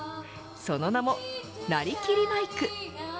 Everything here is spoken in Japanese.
その名もなりきりマイク。